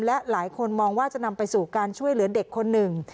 และหลายคนมองว่าจะนำไปสู่การช่วยเหลือเด็กคนหนึ่ง